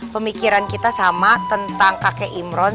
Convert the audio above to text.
pemikiran kita sama tentang kakek imron